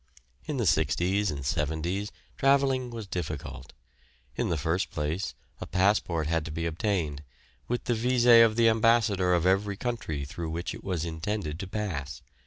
In the 'sixties and 'seventies travelling was difficult. In the first place, a passport had to be obtained, with the visé of the ambassador of every country through which it was intended to pass.